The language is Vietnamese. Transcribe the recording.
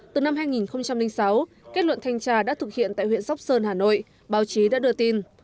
từ năm hai nghìn sáu kết luận thanh tra đã thực hiện tại huyện sóc sơn hà nội báo chí đã đưa tin